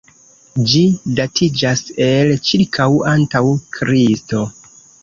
Ĝi datiĝas el ĉirkaŭ antaŭ Kristo.